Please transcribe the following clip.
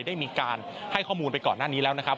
ได้มีการให้ข้อมูลไปก่อนหน้านี้แล้วนะครับ